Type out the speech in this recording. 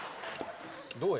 どうや？